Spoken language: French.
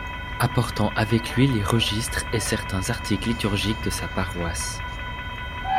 Apportant avec lui les registres et certains articles liturgiques de sa paroisse.